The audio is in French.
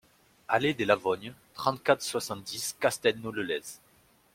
Allée des Lavognes, trente-quatre, cent soixante-dix Castelnau-le-Lez